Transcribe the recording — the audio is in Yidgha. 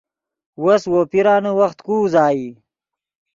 وس وو پیرانے وخت کو اوازئی